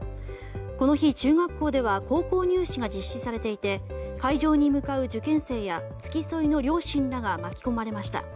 この日、中学校では高校入試が実施されていて会場に向かう受験生や付き添いの両親らが巻き込まれました。